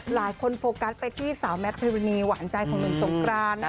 หลายคนโฟกัสไปที่สาวแม้ปริศนีหวานใจของนุ่มสงครานนะคะ